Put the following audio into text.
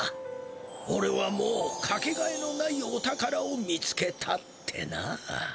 「おれはもうかけがえのないお宝を見つけた」ってな。